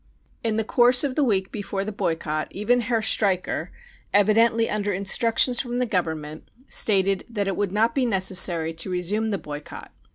In the course of the week before the boy cott even Herr Streicher, evidently under instructions from the Government, stated that it would not be necessary to resume the boycott.